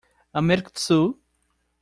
América do Sul.